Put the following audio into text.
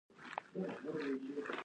سیر بهادر زاده په یو اف سي کې و.